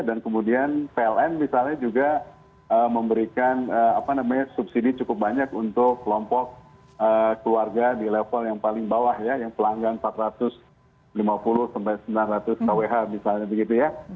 dan kemudian pln misalnya juga memberikan subsidi cukup banyak untuk kelompok keluarga di level yang paling bawah ya yang pelanggan empat ratus lima puluh sembilan ratus kwh misalnya